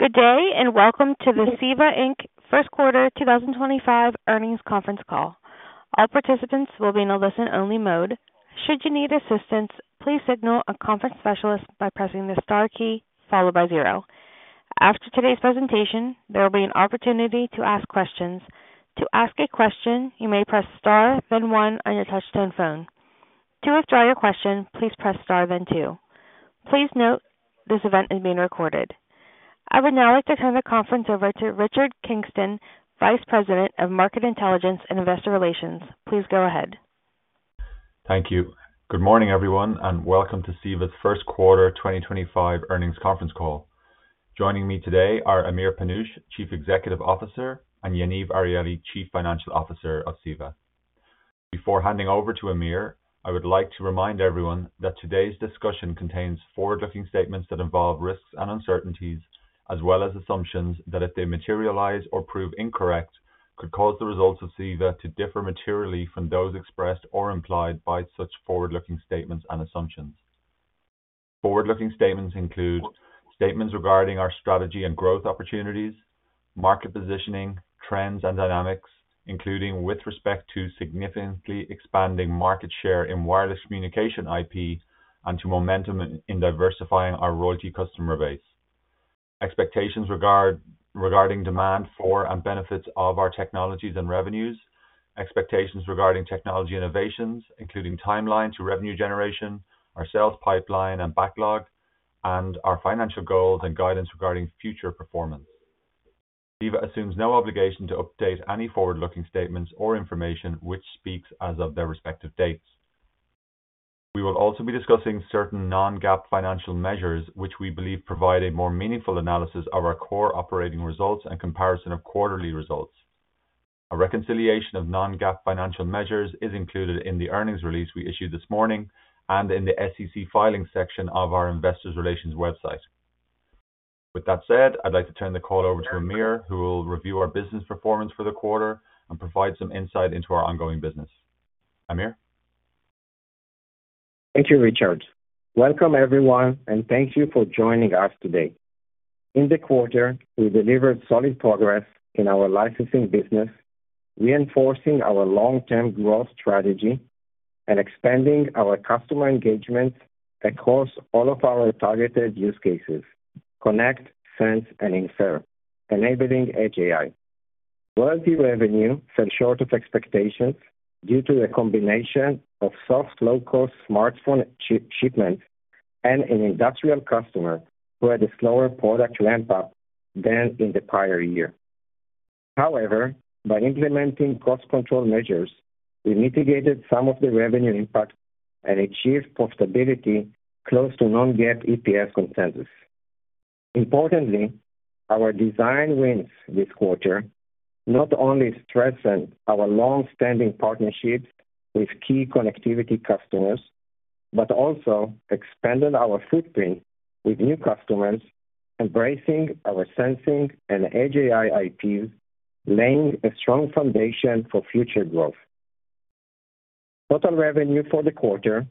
Good day and welcome to the CEVA First Quarter 2025 Earnings Conference Call. All participants will be in a listen-only mode. Should you need assistance, please signal a conference specialist by pressing the star key followed by zero. After today's presentation, there will be an opportunity to ask questions. To ask a question, you may press star, then one on your touchtone phone. To withdraw your question, please press star, then two. Please note this event is being recorded. I would now like to turn the conference over to Richard Kingston, Vice President of Market Intelligence and Investor Relations. Please go ahead. Thank you. Good morning, everyone, and welcome to CEVA's First Quarter 2025 Earnings Conference Call. Joining me today are Amir Panush, Chief Executive Officer, and Yaniv Arieli, Chief Financial Officer of CEVA. Before handing over to Amir, I would like to remind everyone that today's discussion contains forward-looking statements that involve risks and uncertainties, as well as assumptions that, if they materialize or prove incorrect, could cause the results of CEVA to differ materially from those expressed or implied by such forward-looking statements and assumptions. Forward-looking statements include statements regarding our strategy and growth opportunities, market positioning, trends, and dynamics, including with respect to significantly expanding market share in wireless communication IP and to momentum in diversifying our royalty customer base. Expectations regarding demand for and benefits of our technologies and revenues, expectations regarding technology innovations, including timeline to revenue generation, our sales pipeline and backlog, and our financial goals and guidance regarding future performance. CEVA assumes no obligation to update any forward-looking statements or information which speaks as of their respective dates. We will also be discussing certain non-GAAP financial measures, which we believe provide a more meaningful analysis of our core operating results and comparison of quarterly results. A reconciliation of non-GAAP financial measures is included in the earnings release we issued this morning and in the SEC filing section of our Investors Relations website. With that said, I'd like to turn the call over to Amir, who will review our business performance for the quarter and provide some insight into our ongoing business. Amir? Thank you, Richard. Welcome, everyone, and thank you for joining us today. In the quarter, we delivered solid progress in our licensing business, reinforcing our long-term growth strategy and expanding our customer engagement across all of our targeted use cases: connect, sense, and infer, enabling edge AI. Royalty revenue fell short of expectations due to a combination of soft low-cost smartphone shipments and an industrial customer who had a slower product ramp-up than in the prior year. However, by implementing cost control measures, we mitigated some of the revenue impact and achieved profitability close to non-GAAP EPS consensus. Importantly, our design wins this quarter not only strengthened our long-standing partnerships with key connectivity customers but also expanded our footprint with new customers, embracing our sensing and edge AI IPs, laying a strong foundation for future growth. Total revenue for the quarter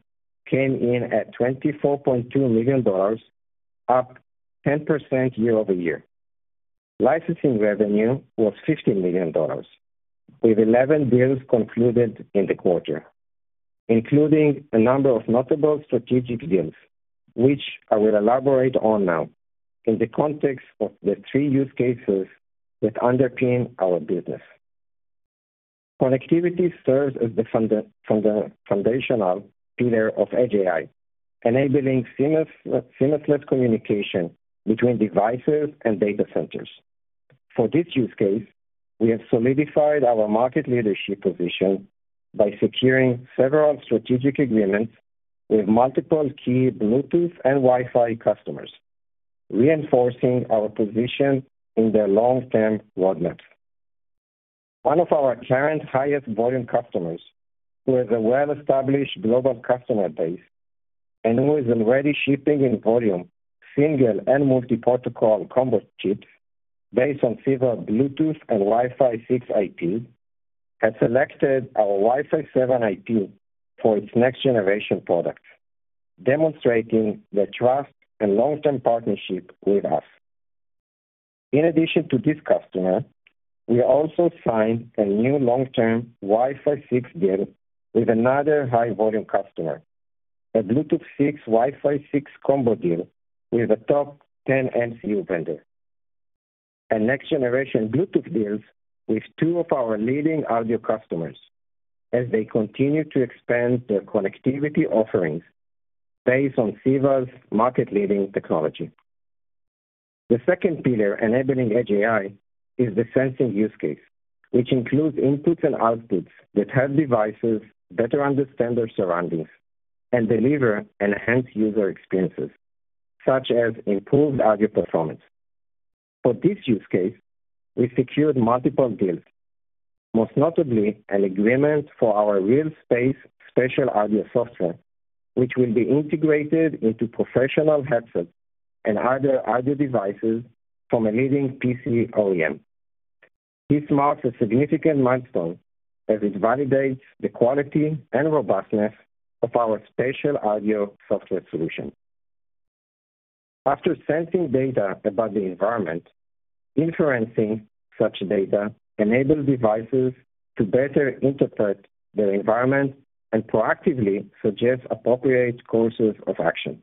came in at $24.2 million, up 10% year over year. Licensing revenue was $15 million, with 11 deals concluded in the quarter, including a number of notable strategic deals, which I will elaborate on now in the context of the three use cases that underpin our business. Connectivity serves as the foundational pillar of edge AI, enabling seamless communication between devices and data centers. For this use case, we have solidified our market leadership position by securing several strategic agreements with multiple key Bluetooth and Wi-Fi customers, reinforcing our position in the long-term roadmap. One of our current highest volume customers, who has a well-established global customer base and who is already shipping in volume single and multi-protocol combo chips based on CEVA Bluetooth and Wi-Fi 6 IP, has selected our Wi-Fi 7 IP for its next-generation product, demonstrating the trust and long-term partnership with us. In addition to this customer, we also signed a new long-term Wi-Fi 6 deal with another high-volume customer, a Bluetooth 6 Wi-Fi 6 combo deal with a top 10 MCU vendor, and next-generation Bluetooth deals with two of our leading audio customers as they continue to expand their connectivity offerings based on CEVA's market-leading technology. The second pillar enabling edge AI is the sensing use case, which includes inputs and outputs that help devices better understand their surroundings and deliver enhanced user experiences, such as improved audio performance. For this use case, we secured multiple deals, most notably an agreement for our RealSpace spatial audio software, which will be integrated into professional headsets and other audio devices from a leading PC OEM. This marks a significant milestone as it validates the quality and robustness of our spatial audio software solution. After sensing data about the environment, inferencing such data enables devices to better interpret their environment and proactively suggest appropriate courses of action.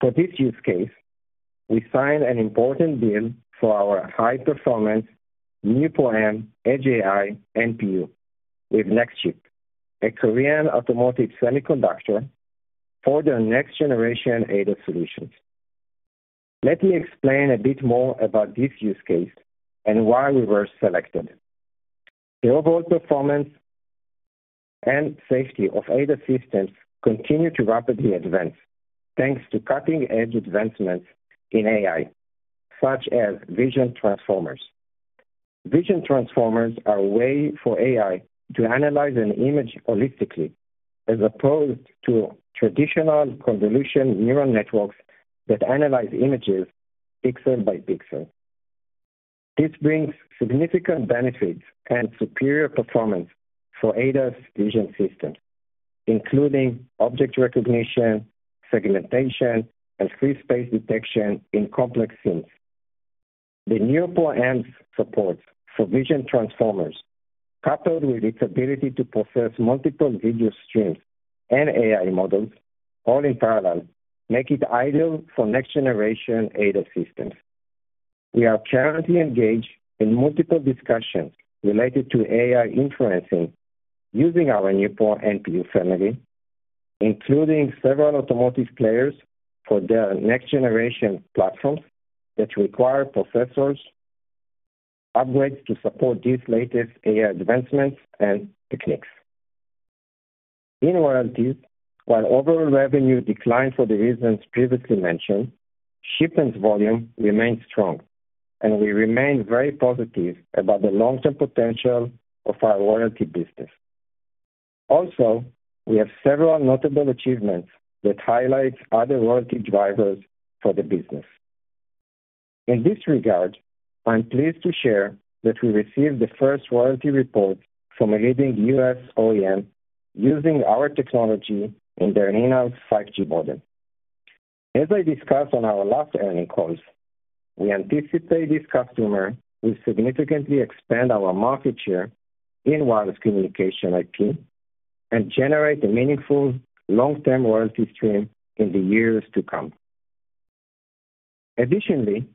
For this use case, we signed an important deal for our high-performance NeuPro edge AI NPU with Nexchip, a Korean automotive semiconductor, for their next-generation ADAS solutions. Let me explain a bit more about this use case and why we were selected. The overall performance and safety of ADAS systems continue to rapidly advance thanks to cutting-edge advancements in AI, such as vision transformers. Vision transformers are a way for AI to analyze an image holistically, as opposed to traditional convolution neural networks that analyze images pixel by pixel. This brings significant benefits and superior performance for ADAS vision systems, including object recognition, segmentation, and free space detection in complex scenes. The NeuPro's support for vision transformers, coupled with its ability to process multiple video streams and AI models all in parallel, make it ideal for next-generation ADAS systems. We are currently engaged in multiple discussions related to AI inferencing using our NeuPro NPU family, including several automotive players for their next-generation platforms that require processors upgrades to support these latest AI advancements and techniques. In royalties, while overall revenue declined for the reasons previously mentioned, shipments volume remained strong, and we remain very positive about the long-term potential of our royalty business. Also, we have several notable achievements that highlight other royalty drivers for the business. In this regard, I'm pleased to share that we received the first royalty report from a leading US OEM using our technology in their in-house 5G modem. As I discussed on our last earnings calls, we anticipate this customer will significantly expand our market share in wireless communication IP and generate a meaningful long-term royalty stream in the years to come. Additionally,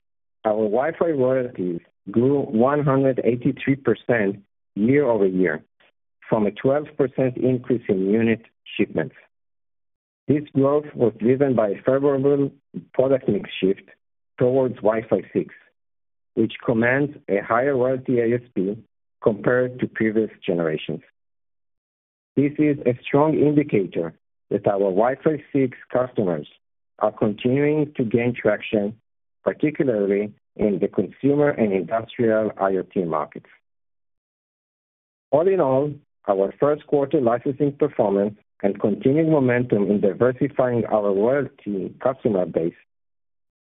our Wi-Fi royalties grew 183% year over year from a 12% increase in unit shipments. This growth was driven by a favorable product mix shift towards Wi-Fi 6, which commands a higher royalty ASP compared to previous generations. This is a strong indicator that our Wi-Fi 6 customers are continuing to gain traction, particularly in the consumer and industrial IoT markets. All in all, our first quarter licensing performance and continued momentum in diversifying our royalty customer base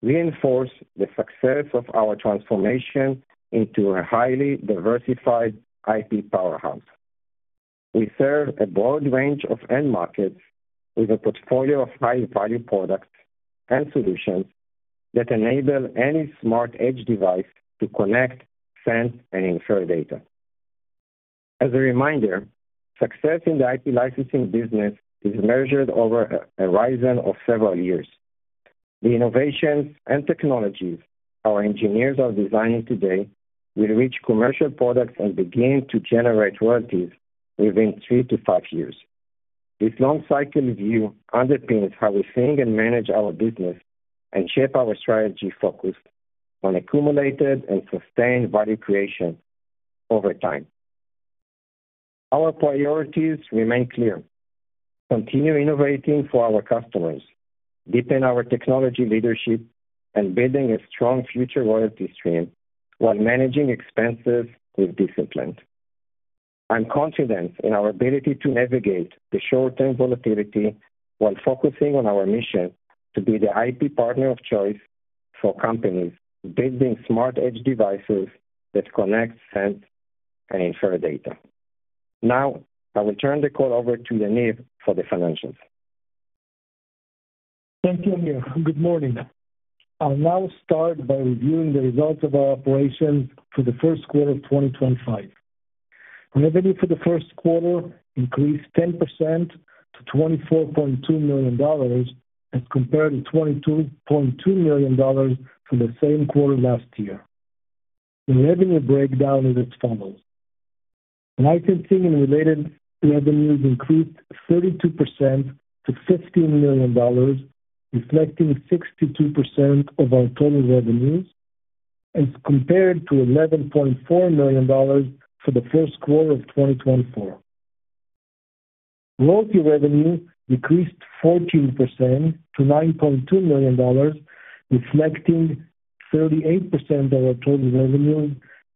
reinforce the success of our transformation into a highly diversified IP powerhouse. We serve a broad range of end markets with a portfolio of high-value products and solutions that enable any smart edge device to connect, sense, and infer data. As a reminder, success in the IP licensing business is measured over a horizon of several years. The innovations and technologies our engineers are designing today will reach commercial products and begin to generate royalties within three to five years. This long-cycled view underpins how we think and manage our business and shape our strategy focused on accumulated and sustained value creation over time. Our priorities remain clear: continue innovating for our customers, deepen our technology leadership, and build a strong future royalty stream while managing expenses with discipline. I'm confident in our ability to navigate the short-term volatility while focusing on our mission to be the IP partner of choice for companies building smart edge devices that connect, sense, and infer data. Now, I will turn the call over to Yaniv for the financials. Thank you, Amir. Good morning. I'll now start by reviewing the results of our operations for the first quarter of 2025. Revenue for the first quarter increased 10% to $24.2 million as compared to $22.2 million for the same quarter last year. The revenue breakdown is as follows. Licensing and related revenues increased 32% to $15 million, reflecting 62% of our total revenues, as compared to $11.4 million for the first quarter of 2024. Royalty revenue decreased 14% to $9.2 million, reflecting 38% of our total revenue,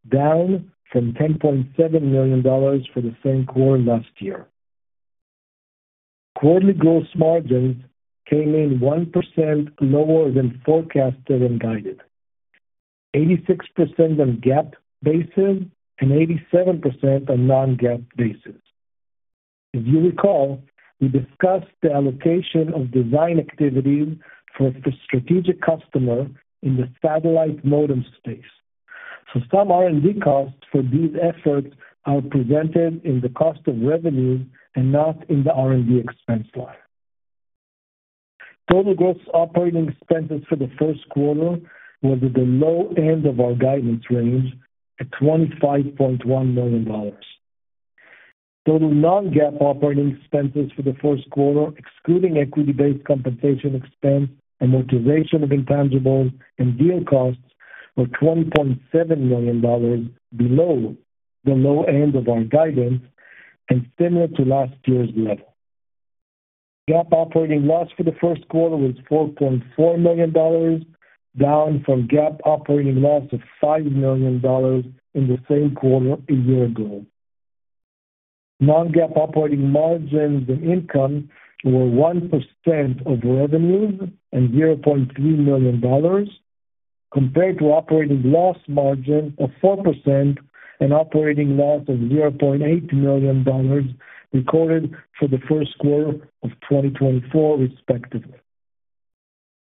down from $10.7 million for the same quarter last year. Quarterly gross margins came in 1% lower than forecasted and guided, 86% on GAAP basis and 87% on non-GAAP basis. As you recall, we discussed the allocation of design activities for a strategic customer in the satellite modem space. Some R&D costs for these efforts are presented in the cost of revenue and not in the R&D expense line. Total gross operating expenses for the first quarter were at the low end of our guidance range, at $25.1 million. Total non-GAAP operating expenses for the first quarter, excluding equity-based compensation expense and amortization of intangibles and deal costs, were $20.7 million, below the low end of our guidance and similar to last year's level. GAAP operating loss for the first quarter was $4.4 million, down from GAAP operating loss of $5 million in the same quarter a year ago. Non-GAAP operating margins and income were 1% of revenues and $0.3 million, compared to operating loss margin of 4% and operating loss of $0.8 million recorded for the first quarter of 2024, respectively.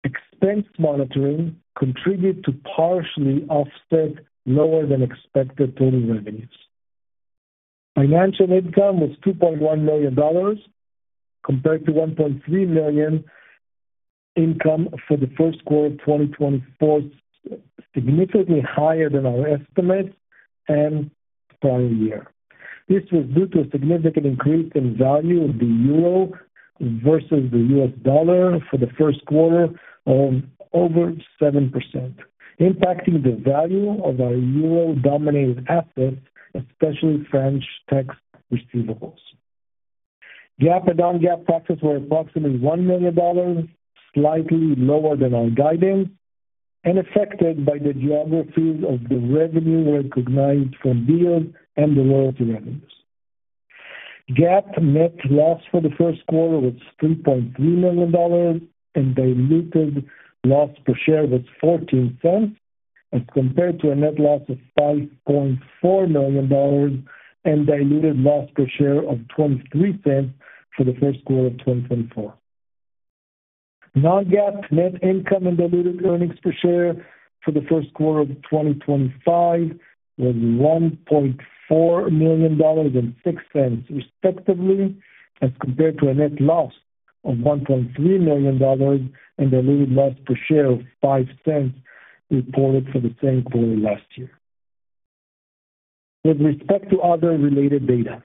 Expense monitoring contributed to partially offset lower-than-expected total revenues. Financial income was $2.1 million, compared to $1.3 million income for the first quarter of 2024, significantly higher than our estimates and prior year. This was due to a significant increase in value of the euro versus the US dollar for the first quarter, of over 7%, impacting the value of our euro-denominated assets, especially French tax receivables. GAAP and non-GAAP profits were approximately $1 million, slightly lower than our guidance, and affected by the geographies of the revenue recognized from deals and the royalty revenues. GAAP net loss for the first quarter was $3.3 million, and diluted loss per share was $0.14, as compared to a net loss of $5.4 million and diluted loss per share of $0.23 for the first quarter of 2024. Non-GAAP net income and diluted earnings per share for the first quarter of 2025 was $1.4 million and $0.06, respectively, as compared to a net loss of $1.3 million and diluted loss per share of $0.05 reported for the same quarter last year. With respect to other related data,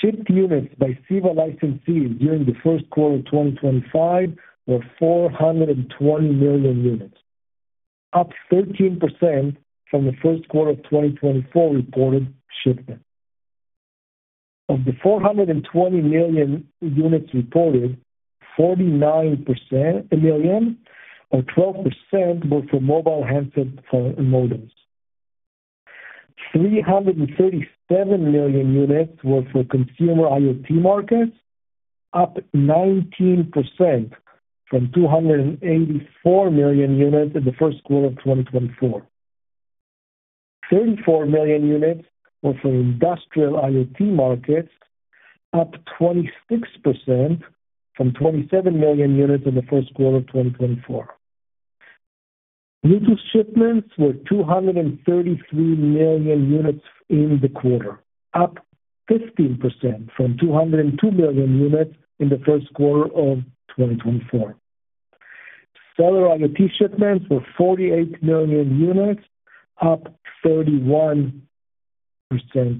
shipped units by CEVA licensees during the first quarter of 2025 were 420 million units, up 13% from the first quarter of 2024 reported shipment. Of the 420 million units reported, 49 million or 12% were for mobile handset phone modems. 337 million units were for consumer IoT markets, up 19% from 284 million units in the first quarter of 2024. 34 million units were for industrial IoT markets, up 26% from 27 million units in the first quarter of 2024. Bluetooth shipments were 233 million units in the quarter, up 15% from 202 million units in the first quarter of 2024. Cellular IoT shipments were 48 million units, up 31%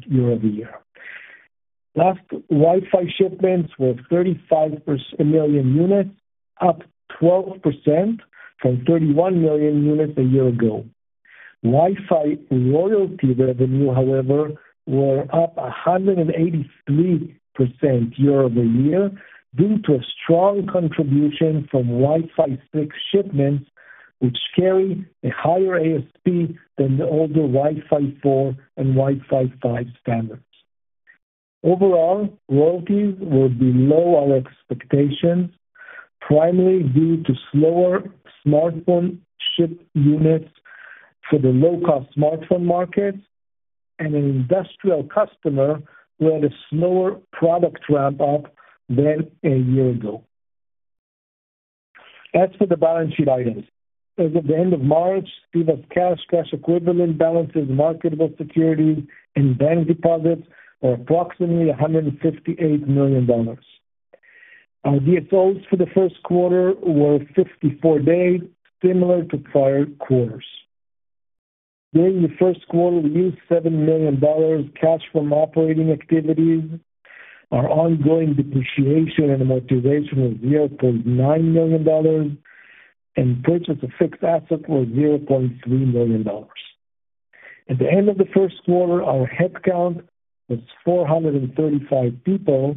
year over year. Last Wi-Fi shipments were 35 million units, up 12% from 31 million units a year ago. Wi-Fi royalty revenue, however, was up 183% year over year due to a strong contribution from Wi-Fi 6 shipments, which carry a higher ASP than the older Wi-Fi 4 and Wi-Fi 5 standards. Overall, royalties were below our expectations, primarily due to slower smartphone ship units for the low-cost smartphone markets and an industrial customer who had a slower product ramp-up than a year ago. As for the balance sheet items, as of the end of March, CEVA's cash, cash equivalent balances, marketable securities, and bank deposits were approximately $158 million. Our DSOs for the first quarter were 54 days, similar to prior quarters. During the first quarter, we used $7 million cash from operating activities. Our ongoing depreciation and amortization was $0.9 million, and purchase of fixed assets was $0.3 million. At the end of the first quarter, our headcount was 435 people,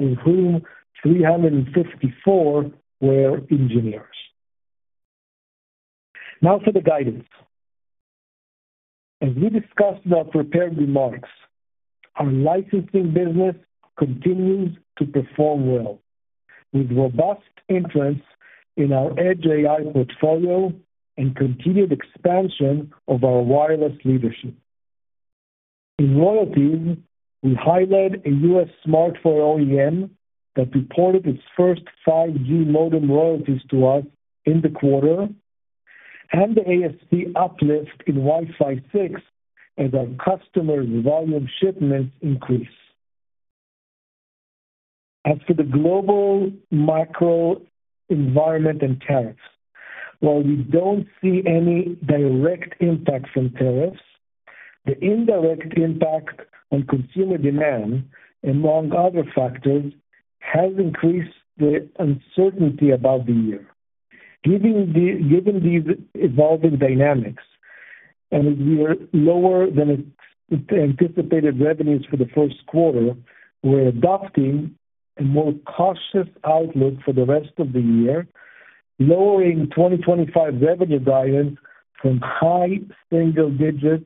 of whom 354 were engineers. Now for the guidance. As we discussed in our prepared remarks, our licensing business continues to perform well, with robust entrants in our edge AI portfolio and continued expansion of our wireless leadership. In royalties, we highlight a US Smartphone OEM that reported its first 5G modem royalties to us in the quarter, and the ASP uplift in Wi-Fi 6 as our customers' volume shipments increase. As for the global macro environment and tariffs, while we do not see any direct impact from tariffs, the indirect impact on consumer demand, among other factors, has increased the uncertainty about the year. Given these evolving dynamics and as we are lower than anticipated revenues for the first quarter, we are adopting a more cautious outlook for the rest of the year, lowering 2025 revenue guidance from high single-digit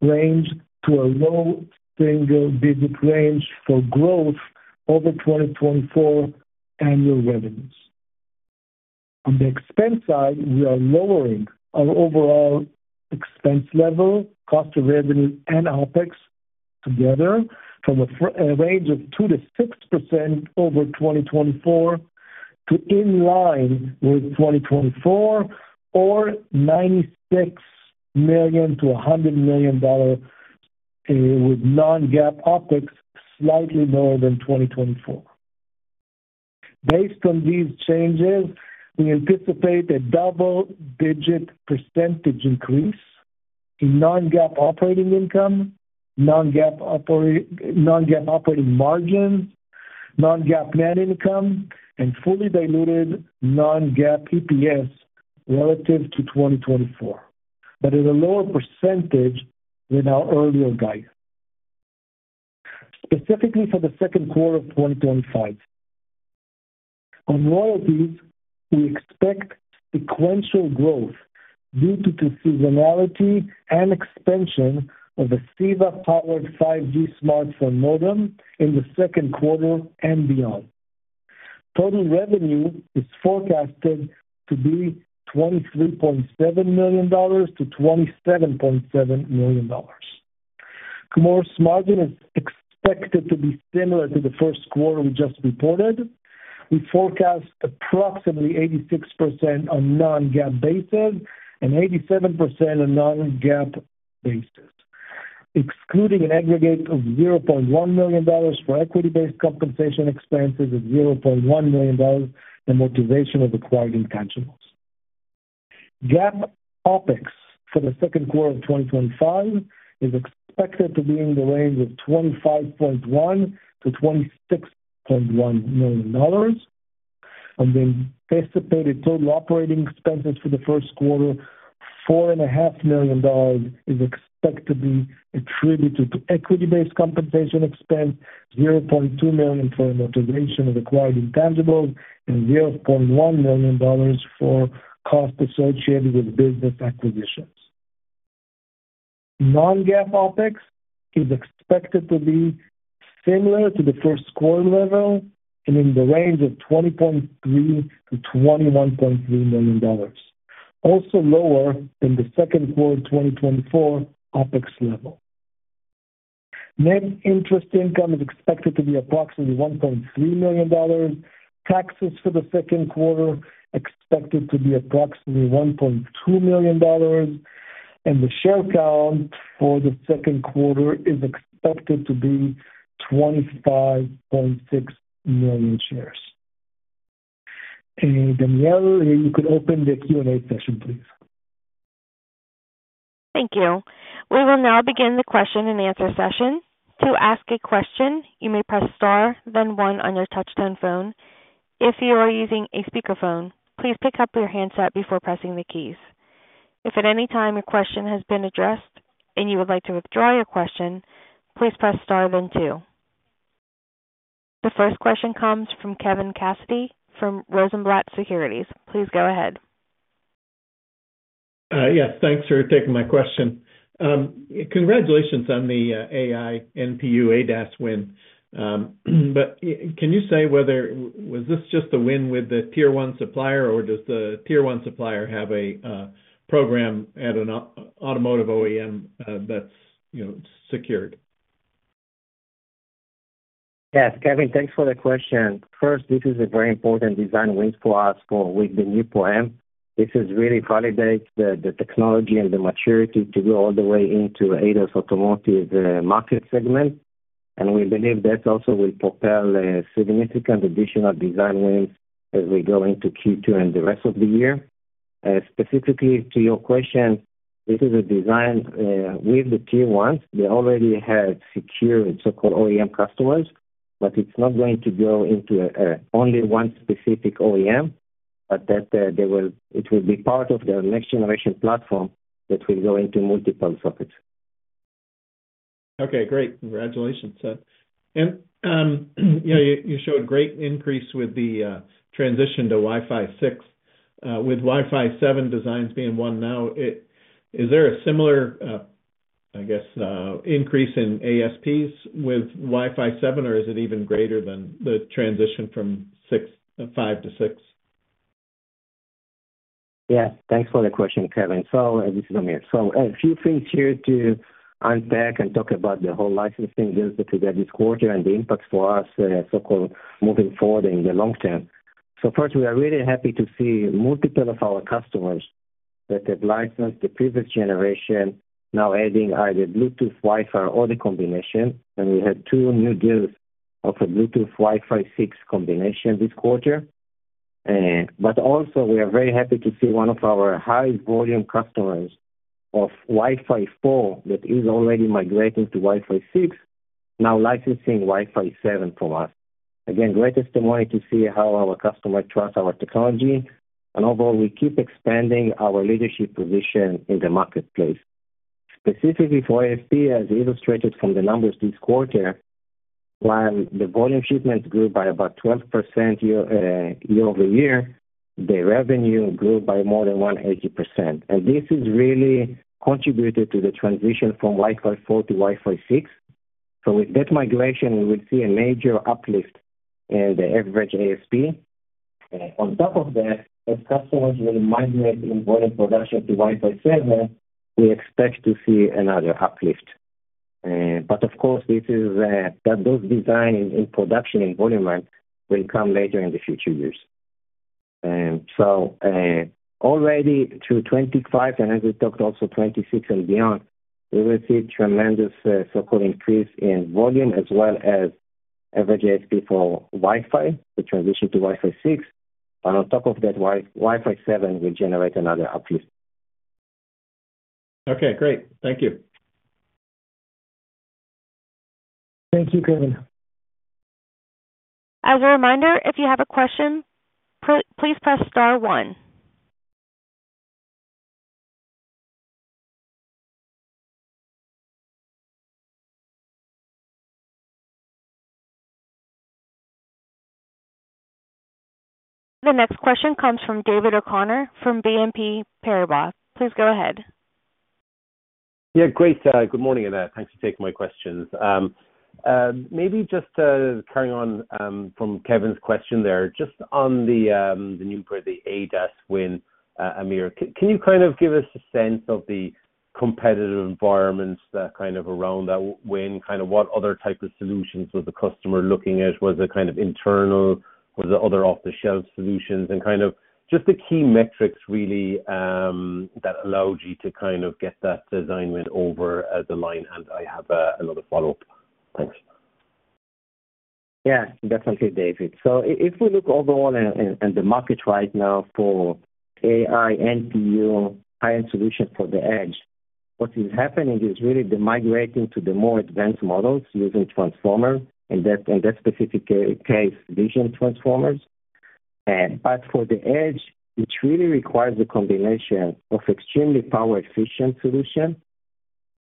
range to a low single-digit range for growth over 2024 annual revenues. On the expense side, we are lowering our overall expense level, cost of revenue, and OpEx together from a range of 2%-6% over 2024 to in line with 2024, or $96 million-$100 million with non-GAAP OpEx slightly lower than 2024. Based on these changes, we anticipate a double-digit % increase in non-GAAP operating income, non-GAAP operating margins, non-GAAP net income, and fully diluted non-GAAP EPS relative to 2024, but at a lower % than our earlier guidance, specifically for the second quarter of 2025. On royalties, we expect sequential growth due to the seasonality and expansion of a CEVA-powered 5G smartphone modem in the second quarter and beyond. Total revenue is forecasted to be $23.7 million-$27.7 million. Gross margin is expected to be similar to the first quarter we just reported. We forecast approximately 86% on a non-GAAP basis and 87% on a non-GAAP basis, excluding an aggregate of $0.1 million for equity-based compensation expenses and $0.1 million in amortization of acquired intangibles. GAAP OpEx for the second quarter of 2025 is expected to be in the range of $25.1-$26.1 million. On the anticipated total operating expenses for the first quarter, $4.5 million is expected to be attributed to equity-based compensation expense, $0.2 million for amortization of acquired intangibles, and $0.1 million for costs associated with business acquisitions. Non-GAAP OPEX is expected to be similar to the first quarter level and in the range of $20.3-$21.3 million, also lower than the second quarter 2024 OPEX level. Net interest income is expected to be approximately $1.3 million. Taxes for the second quarter are expected to be approximately $1.2 million, and the share count for the second quarter is expected to be 25.6 million shares. Danielle, you could open the Q&A session, please. Thank you. We will now begin the question-and-answer session. To ask a question, you may press star, then 1 on your touch-tone phone. If you are using a speakerphone, please pick up your handset before pressing the keys. If at any time your question has been addressed and you would like to withdraw your question, please press star, then 2. The first question comes from Kevin Cassidy from Rosenblatt Securities. Please go ahead. Yes. Thanks for taking my question. Congratulations on the AI NPU ADAS win. But can you say whether was this just a win with the tier-one supplier, or does the tier-one supplier have a program at an automotive OEM that's secured? Yes. Kevin, thanks for the question. First, this is a very important design win for us with the new plan. This is really validating the technology and the maturity to go all the way into ADAS automotive market segment. And we believe that also will propel significant additional design wins as we go into Q2 and the rest of the year. Specifically to your question, this is a design with the tier ones. They already have secured so-called OEM customers, but it's not going to go into only one specific OEM, but that it will be part of their next-generation platform that will go into multiple sockets. Okay. Great. Congratulations. You showed great increase with the transition to Wi-Fi 6. With Wi-Fi 7 designs being won now, is there a similar, I guess, increase in ASPs with Wi-Fi 7, or is it even greater than the transition from 5 to 6? Yes. Thanks for the question, Kevin. This is Amir. A few things here to unpack and talk about the whole licensing business that we had this quarter and the impact for us, so-called, moving forward in the long term. First, we are really happy to see multiple of our customers that have licensed the previous generation, now adding either Bluetooth, Wi-Fi, or the combination. We had two new deals of a Bluetooth, Wi-Fi 6 combination this quarter. We are very happy to see one of our high-volume customers of Wi-Fi 4 that is already migrating to Wi-Fi 6, now licensing Wi-Fi 7 from us. Again, great testimony to see how our customers trust our technology. Overall, we keep expanding our leadership position in the marketplace. Specifically for ASP, as illustrated from the numbers this quarter, while the volume shipments grew by about 12% year over year, the revenue grew by more than 180%. This has really contributed to the transition from Wi-Fi 4 to Wi-Fi 6. With that migration, we will see a major uplift in the average ASP. On top of that, as customers migrate in volume production to Wi-Fi 7, we expect to see another uplift. Of course, those designs in production environment will come later in the future years. Already through 2025, and as we talked also 2026 and beyond, we will see tremendous so-called increase in volume as well as average ASP for Wi-Fi, the transition to Wi-Fi 6. On top of that, Wi-Fi 7 will generate another uplift. Okay. Great. Thank you. Thank you, Kevin. As a reminder, if you have a question, please press star 1. The next question comes from David O'Connor from BNP Paribas. Please go ahead. Yeah. Great. Good morning, and thanks for taking my questions. Maybe just carrying on from Kevin's question there, just on the new ADAS win, Amir, can you kind of give us a sense of the competitive environments that kind of around that win? Kind of what other type of solutions was the customer looking at? Was it kind of internal? Was it other off-the-shelf solutions? And kind of just the key metrics, really, that allowed you to kind of get that design win over the line? I have another follow-up. Thanks. Yeah. That's okay, David. If we look overall at the market right now for AI NPU, high-end solutions for the edge, what is happening is really the migrating to the more advanced models using transformer, in that specific case, vision transformers. For the edge, it really requires a combination of extremely power-efficient solutions,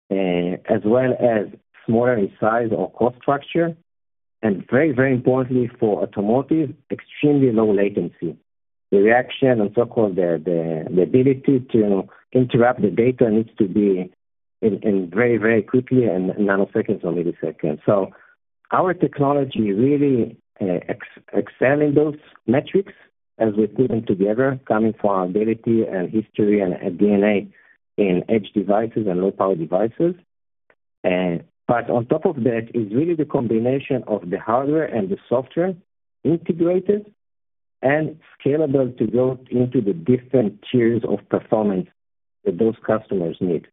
as well as smaller in size or cost structure. Very, very importantly for automotive, extremely low latency. The reaction and so-called the ability to interrupt the data needs to be very, very quickly and nanoseconds or milliseconds. Our technology really excels in those metrics as we put them together, coming from our ability and history and DNA in edge devices and low-power devices. On top of that is really the combination of the hardware and the software integrated and scalable to go into the different tiers of performance that those customers need.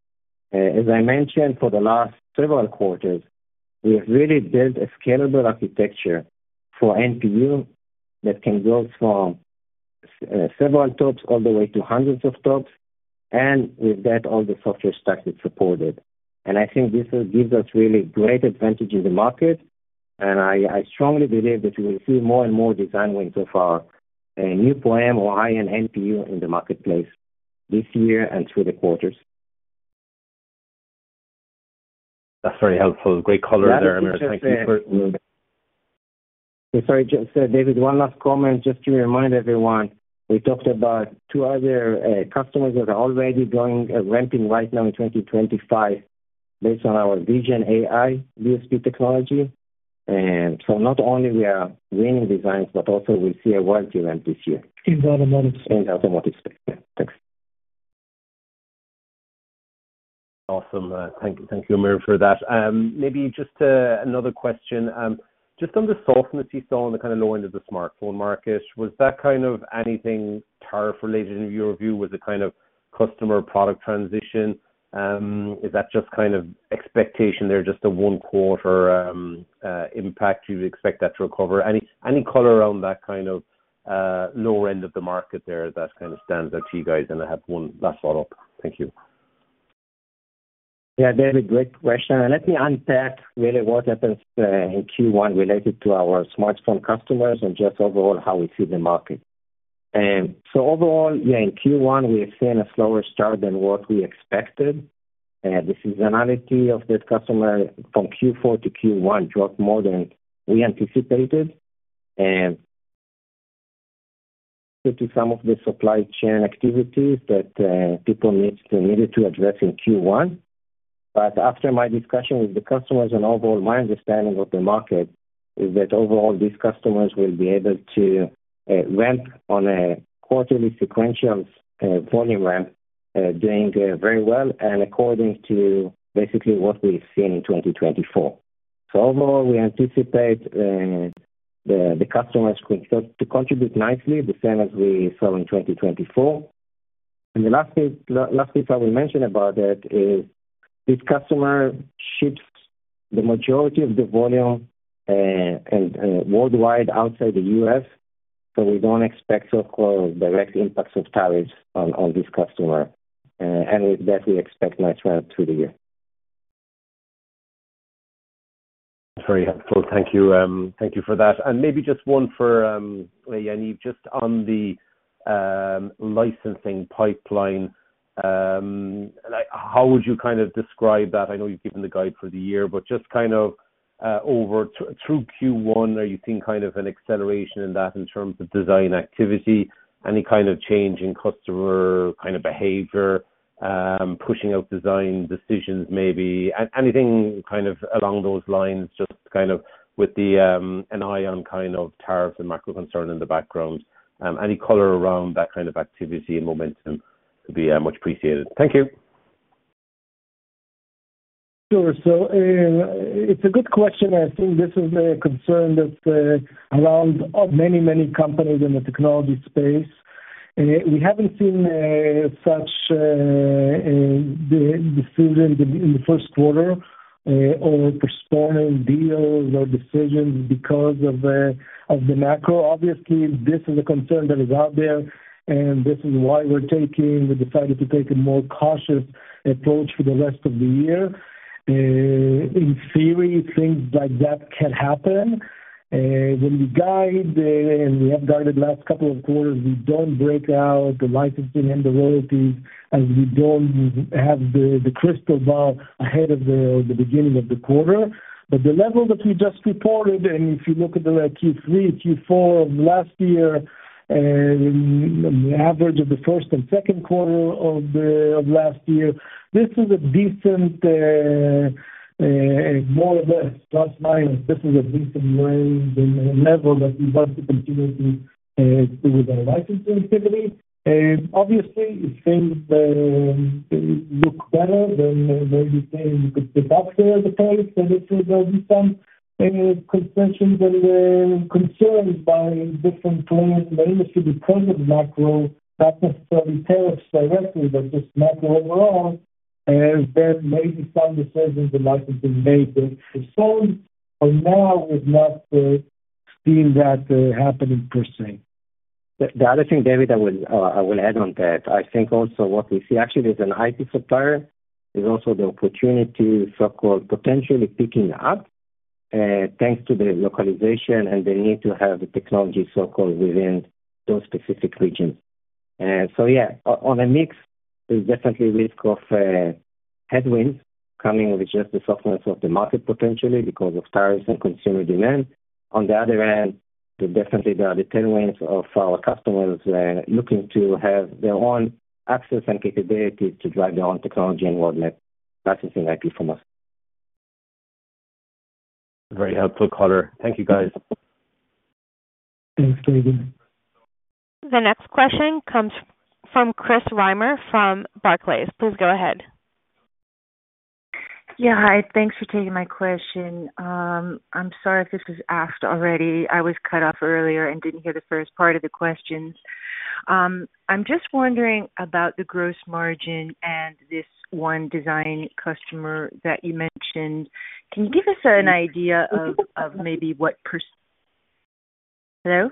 As I mentioned, for the last several quarters, we have really built a scalable architecture for NPU that can go from several TOPS all the way to hundreds of TOPS. With that, all the software stacks are supported. I think this gives us really great advantage in the market. I strongly believe that we will see more and more design wins of our NeuPro or high-end NPU in the marketplace this year and through the quarters. That's very helpful. Great color there, Amir. Thank you for. Sorry, David, one last comment. Just to remind everyone, we talked about two other customers that are already ramping right now in 2025 based on our vision AI DSP technology. Not only are we winning designs, but also we see a wide event this year in the automotive space. Thanks. Awesome. Thank you, Amir, for that. Maybe just another question. Just on the softness you saw on the kind of low end of the smartphone market, was that kind of anything tariff-related in your view? Was it kind of customer product transition? Is that just kind of expectation there, just a one-quarter impact? Do you expect that to recover? Any color around that kind of lower end of the market there that kind of stands out to you guys? I have one last follow-up. Thank you. Yeah, David, great question. Let me unpack really what happens in Q1 related to our smartphone customers and just overall how we see the market. Overall, yeah, in Q1, we have seen a slower start than what we expected. The seasonality of that customer from Q4 to Q1 dropped more than we anticipated due to some of the supply chain activities that people needed to address in Q1. After my discussion with the customers and overall my understanding of the market is that overall these customers will be able to ramp on a quarterly sequential volume ramp doing very well and according to basically what we have seen in 2024. Overall, we anticipate the customers to contribute nicely, the same as we saw in 2024. The last piece I will mention about it is this customer ships the majority of the volume worldwide outside the U.S. We do not expect, so-called, direct impacts of tariffs on this customer. With that, we expect nice ramp through the year. That is very helpful. Thank you for that. Maybe just one for Yaniv, just on the licensing pipeline, how would you kind of describe that? I know you have given the guide for the year, but just kind of over through Q1, are you seeing kind of an acceleration in that in terms of design activity? Any kind of change in customer kind of behavior, pushing out design decisions maybe? Anything kind of along those lines, just kind of with an eye on kind of tariffs and macro concern in the background? Any color around that kind of activity and momentum would be much appreciated. Thank you. Sure. It is a good question. I think this is a concern that is around many, many companies in the technology space. We haven't seen such decisions in the first quarter or postponing deals or decisions because of the macro. Obviously, this is a concern that is out there, and this is why we're deciding to take a more cautious approach for the rest of the year. In theory, things like that can happen. When we guide and we have guided the last couple of quarters, we don't break out the licensing and the royalties as we don't have the crystal ball ahead of the beginning of the quarter. But the level that we just reported, and if you look at the Q3, Q4 of last year, the average of the first and second quarter of last year, this is a decent, more or less, plus-minus, this is a decent level that we want to continue to do with our licensing activity. Obviously, things look better than where you think you could put up there at the price. If there will be some concessions and concerns by different players in the industry because of the macro, not necessarily tariffs directly, but just macro overall, then maybe some decisions in licensing may be postponed. For now, we've not seen that happening per se. The other thing, David, I will add on that. I think also what we see actually as an IP supplier is also the opportunity, so-called, potentially picking up thanks to the localization and the need to have the technology, so-called, within those specific regions. Yeah, on a mix, there's definitely risk of headwinds coming with just the softness of the market potentially because of tariffs and consumer demand. On the other hand, there definitely are the tailwinds of our customers looking to have their own access and capabilities to drive their own technology and whatnot, licensing IP from us. Very helpful, Connor. Thank you, guys. Thanks, David. The next question comes from Chris Reimer from Barclays. Please go ahead. Yeah. Hi. Thanks for taking my question. I'm sorry if this was asked already. I was cut off earlier and did not hear the first part of the questions. I'm just wondering about the gross margin and this one design customer that you mentioned. Can you give us an idea of maybe what percent? Hello?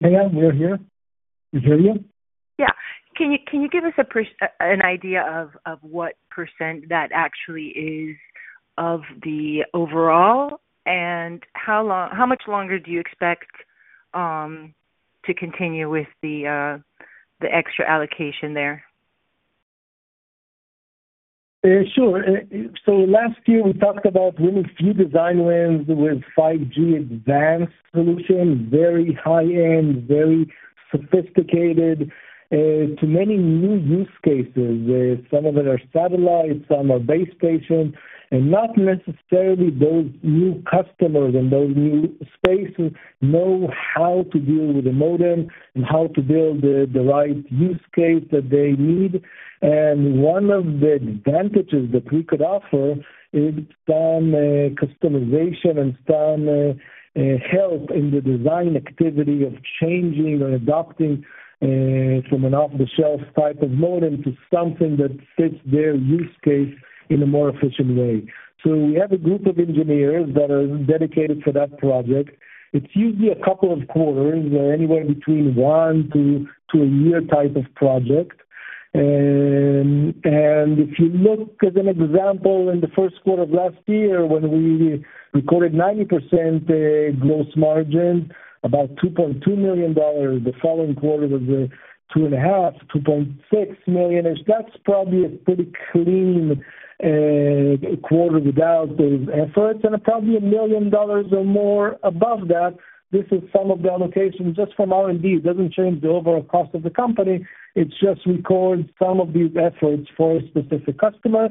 Hey, Amir here. We hear you. Yeah. Can you give us an idea of what percent that actually is of the overall? And how much longer do you expect to continue with the extra allocation there? Sure. Last year, we talked about really few design wins with 5G advanced solutions, very high-end, very sophisticated, to many new use cases. Some of them are satellites, some are base stations. Not necessarily those new customers in those new spaces know how to deal with the modem and how to build the right use case that they need. One of the advantages that we could offer is some customization and some help in the design activity of changing or adopting from an off-the-shelf type of modem to something that fits their use case in a more efficient way. We have a group of engineers that are dedicated for that project. It is usually a couple of quarters or anywhere between one to a year type of project. If you look at an example in the first quarter of last year when we recorded 90% gross margin, about $2.2 million, the following quarter was $2.5-$2.6 million. That is probably a pretty clean quarter without those efforts. And probably $1 million or more above that, this is some of the allocation just from R&D. It does not change the overall cost of the company. It just records some of these efforts for a specific customer.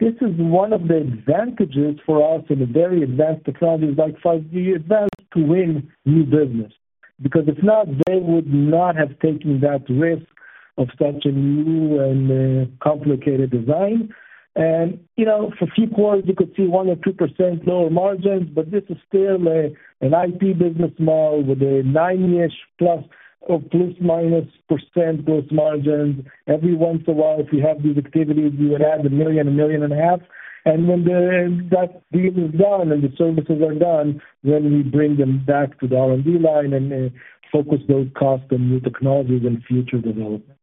This is one of the advantages for us in a very advanced technology like 5G advanced to win new business. Because if not, they would not have taken that risk of such a new and complicated design. For a few quarters, you could see 1% or 2% lower margins, but this is still an IP business model with a 9%-plus or plus-minus percent gross margins. Every once in a while, if you have these activities, you would add $1 million, $1.5 million. When that deal is done and the services are done, then we bring them back to the R&D line and focus those costs on new technologies and future developments.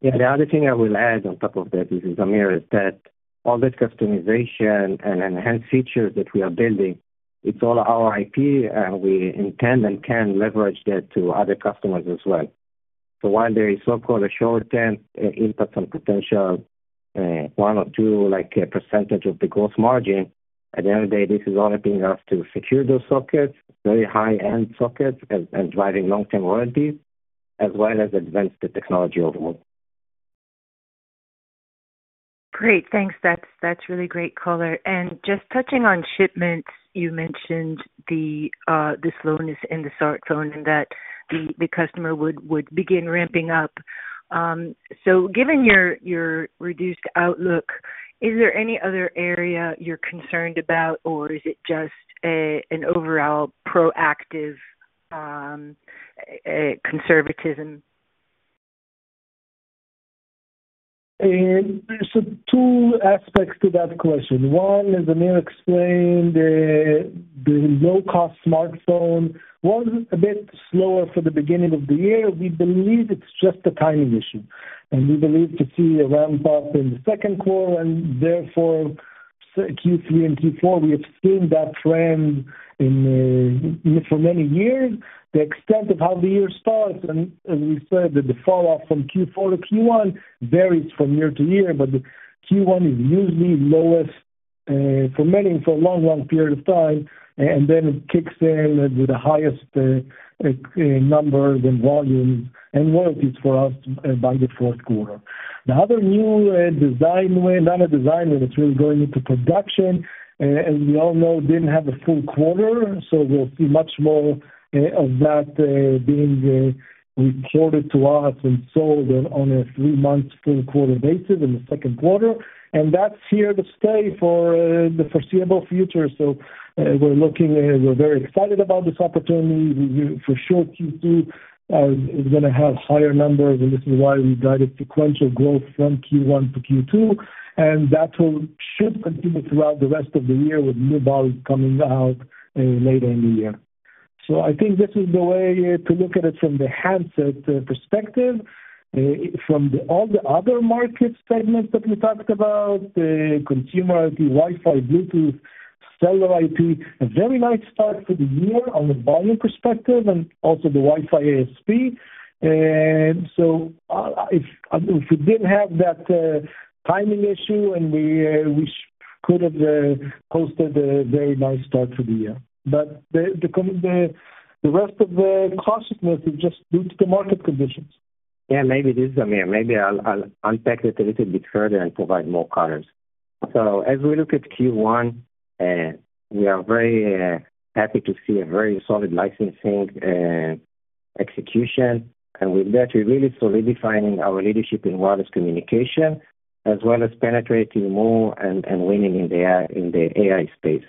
Yeah. The other thing I will add on top of that is, Amir, is that all that customization and enhanced features that we are building, it's all our IP, and we intend and can leverage that to other customers as well. While there is so-called a short-term impact on potential 1% or 2% of the gross margin, at the end of the day, this is all helping us to secure those sockets, very high-end sockets and driving long-term royalties, as well as advance the technology overall. Great. Thanks. That's really great color. Just touching on shipments, you mentioned the slowness in the smartphone and that the customer would begin ramping up. Given your reduced outlook, is there any other area you're concerned about, or is it just an overall proactive conservatism? There are two aspects to that question. One, as Amir explained, the low-cost smartphone was a bit slower for the beginning of the year. We believe it's just a timing issue. We believe to see a ramp-up in the second quarter. Therefore, Q3 and Q4, we have seen that trend for many years. The extent of how the year starts, and as we said, the falloff from Q4 to Q1 varies from year to year, but Q1 is usually lowest for many for a long, long period of time. Then it kicks in with the highest number in volumes and royalties for us by the fourth quarter. The other new design win, not a design win, it's really going into production. As we all know, didn't have a full quarter. We'll see much more of that being reported to us and sold on a three-month full quarter basis in the second quarter. That is here to stay for the foreseeable future. We are very excited about this opportunity. For sure, Q2 is going to have higher numbers, and this is why we guided sequential growth from Q1 to Q2. That should continue throughout the rest of the year with new balls coming out later in the year. I think this is the way to look at it from the handset perspective. From all the other market segments that we talked about, consumer IP, Wi-Fi, Bluetooth, cellular IP, a very nice start for the year on the volume perspective, and also the Wi-Fi ASP. If we did not have that timing issue, we could have posted a very nice start for the year. The rest of the cautiousness is just due to the market conditions. Yeah, maybe it is, Amir. Maybe I will unpack it a little bit further and provide more colors. As we look at Q1, we are very happy to see a very solid licensing execution. With that, we are really solidifying our leadership in wireless communication, as well as penetrating more and winning in the AI space.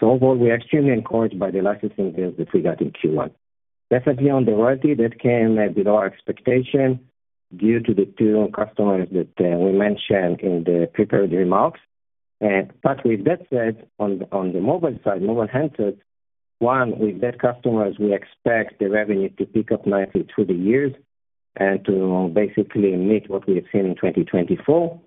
Overall, we are extremely encouraged by the licensing deals that we got in Q1. Definitely on the royalty, that came below expectation due to the two customers that we mentioned in the prepared remarks. With that said, on the mobile side, mobile handsets, one, with that customers, we expect the revenue to pick up nicely through the years and to basically meet what we have seen in 2024,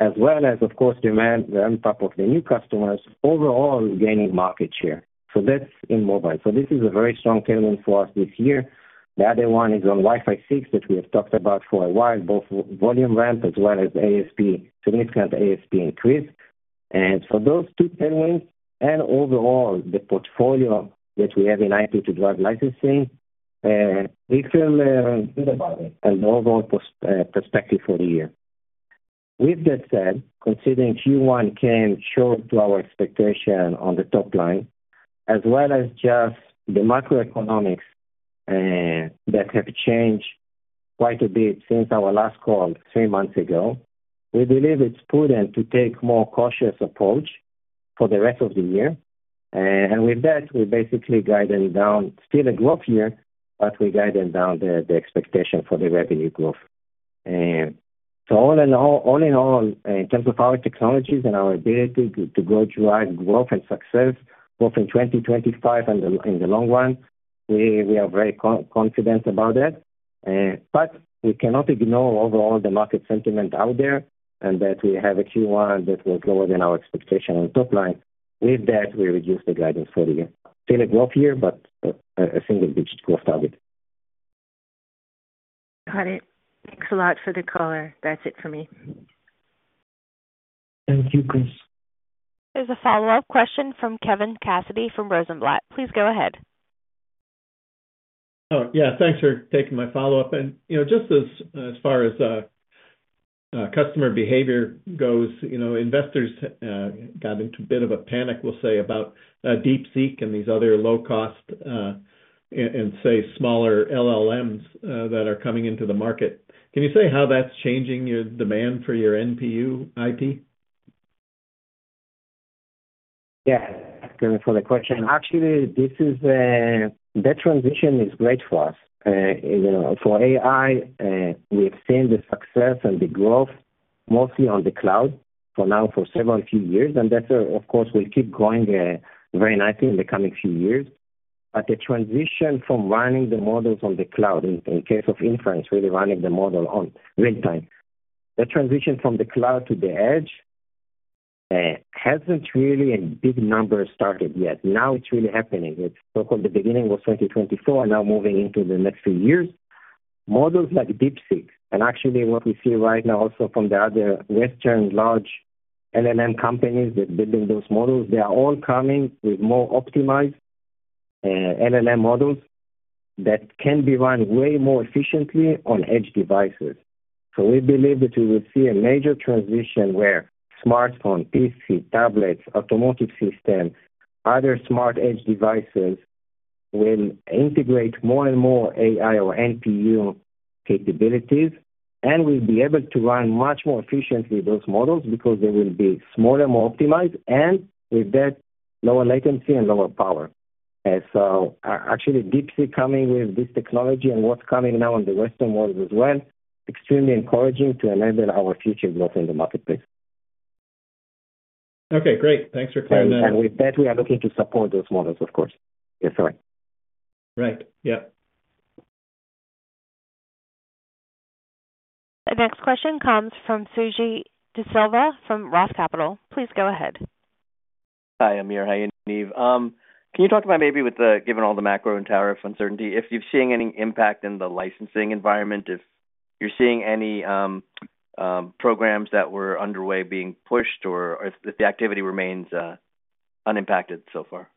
as well as, of course, the ramp-up of the new customers overall gaining market share. That is in mobile. This is a very strong tailwind for us this year. The other one is on Wi-Fi 6 that we have talked about for a while, both volume ramp as well as significant ASP increase. For those two tailwinds and overall the portfolio that we have in IP to drive licensing, we feel good about it and the overall perspective for the year. With that said, considering Q1 came short to our expectation on the top line, as well as just the macroeconomics that have changed quite a bit since our last call three months ago, we believe it's prudent to take a more cautious approach for the rest of the year. With that, we basically guided down, still a growth year, but we guided down the expectation for the revenue growth. All in all, in terms of our technologies and our ability to go drive growth and success both in 2025 and in the long run, we are very confident about that. We cannot ignore overall the market sentiment out there and that we have a Q1 that was lower than our expectation on the top line. With that, we reduced the guidance for the year. Still a growth year, but a single-digit growth target. Got it. Thanks a lot for the color. That's it for me. Thank you, Chris. There's a follow-up question from Kevin Cassidy from Rosenblatt. Please go ahead. Yeah. Thanks for taking my follow-up. And just as far as customer behavior goes, investors got into a bit of a panic, we'll say, about DeepSeek and these other low-cost and, say, smaller LLMs that are coming into the market. Can you say how that's changing your demand for your NPU IP? Yeah. Thanks for the question. Actually, that transition is great for us. For AI, we've seen the success and the growth mostly on the cloud for now for several few years. And that, of course, will keep growing very nicely in the coming few years. The transition from running the models on the cloud, in case of inference, really running the model on real-time, that transition from the cloud to the edge has not really in a big number started yet. Now it is really happening. It is so-called the beginning was 2024, now moving into the next few years. Models like DeepSeek, and actually what we see right now also from the other Western large LLM companies that are building those models, they are all coming with more optimized LLM models that can be run way more efficiently on edge devices. We believe that we will see a major transition where smartphone, PC, tablets, automotive systems, other smart edge devices will integrate more and more AI or NPU capabilities, and will be able to run much more efficiently those models because they will be smaller, more optimized, and with that, lower latency and lower power. So actually, DeepSeek coming with this technology and what's coming now in the Western world as well, extremely encouraging to enable our future growth in the marketplace. Okay. Great. Thanks for clarifying that. With that, we are looking to support those models, of course. Yes, sorry. Right. Yep. The next question comes from Suji Desilva from Roth Capital. Please go ahead. Hi, Amir. Hi, Yaniv. Can you talk to me maybe with given all the macro and tariff uncertainty, if you're seeing any impact in the licensing environment, if you're seeing any programs that were underway being pushed, or if the activity remains unimpacted so far?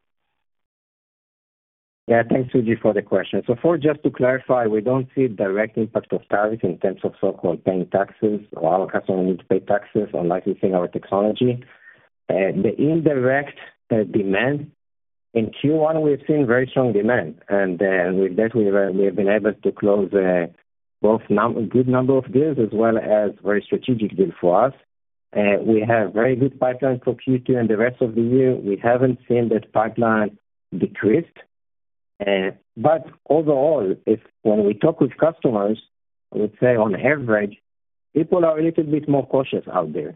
Yeah. Thanks, Suji, for the question. First, just to clarify, we do not see direct impact of tariffs in terms of so-called paying taxes or our customers need to pay taxes on licensing our technology. The indirect demand in Q1, we've seen very strong demand. With that, we have been able to close both a good number of deals as well as very strategic deals for us. We have a very good pipeline for Q2 and the rest of the year. We haven't seen that pipeline decrease. Overall, when we talk with customers, I would say on average, people are a little bit more cautious out there.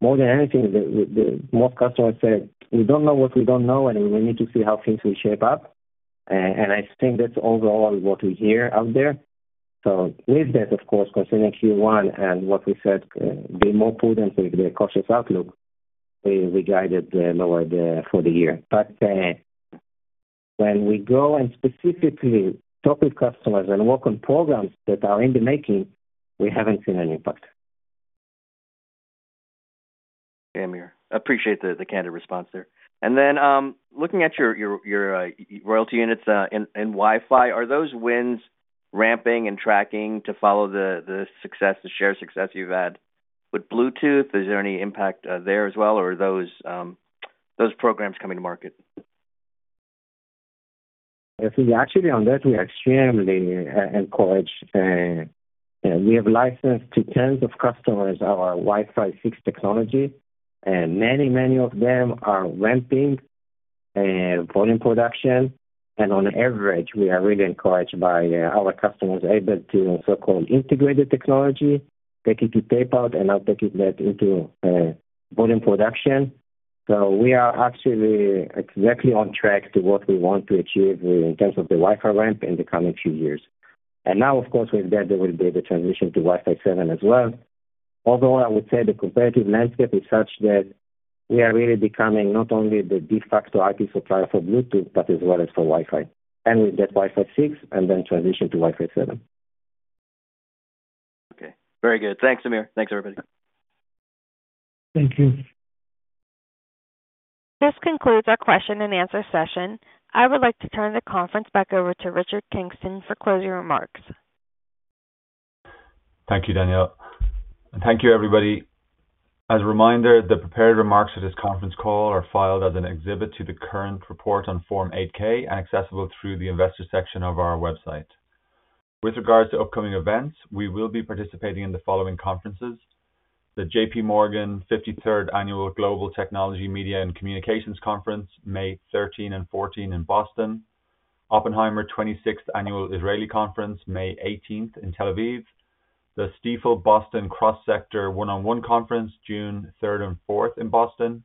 More than anything, most customers say, "We don't know what we don't know, and we need to see how things will shape up." I think that's overall what we hear out there. With that, of course, considering Q1 and what we said, being more prudent with the cautious outlook, we guided lower for the year. When we go and specifically talk with customers and work on programs that are in the making, we have not seen an impact. Thanks, Amir. Appreciate the candid response there. Looking at your royalty units in Wi-Fi, are those wins ramping and tracking to follow the success, the shared success you have had with Bluetooth? Is there any impact there as well, or are those programs coming to market? I think actually on that, we are extremely encouraged. We have licensed to tens of customers our Wi-Fi 6 technology. Many of them are ramping volume production. On average, we are really encouraged by our customers able to so-called integrate the technology, take it to tapeout, and now take that into volume production. We are actually exactly on track to what we want to achieve in terms of the Wi-Fi ramp in the coming few years. Now, of course, with that, there will be the transition to Wi-Fi 7 as well. Although I would say the competitive landscape is such that we are really becoming not only the de facto IP supplier for Bluetooth, but as well as for Wi-Fi. With that, Wi-Fi 6, and then transition to Wi-Fi 7. Okay. Very good. Thanks, Amir. Thanks, everybody. Thank you. This concludes our question-and-answer session. I would like to turn the conference back over to Richard Kingston for closing remarks. Thank you, Danielle. Thank you, everybody. As a reminder, the prepared remarks at this conference call are filed as an exhibit to the current report on Form 8K and accessible through the investor section of our website. With regards to upcoming events, we will be participating in the following conferences: the J.P. Morgan 53rd Annual Global Technology Media and Communications Conference, May 13 and 14 in Boston, Oppenheimer 26th Annual Israeli Conference, May 18th in Tel Aviv, the Stifel Boston Cross-Sector One-on-One Conference, June 3rd and 4th in Boston,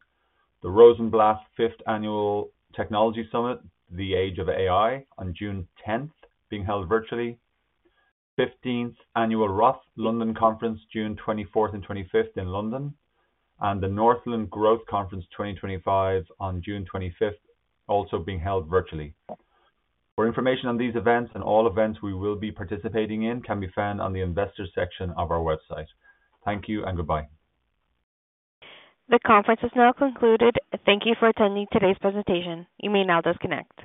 the Rosenblatt 5th Annual Technology Summit, The Age of AI, on June 10th, being held virtually, the 15th Annual Roth London Conference, June 24th and 25th in London, and the Northland Growth Conference 2025 on June 25th, also being held virtually. For information on these events and all events we will be participating in, can be found on the investor section of our website. Thank you and goodbye. The conference is now concluded. Thank you for attending today's presentation. You may now disconnect.